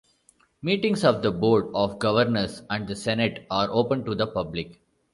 Meetings of the Board of Governors and the Senate are open to the public.